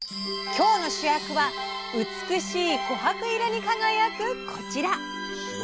今日の主役は美しいコハク色に輝くこちら！